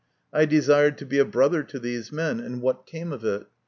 I desired to be a brother to these men, and what came of it?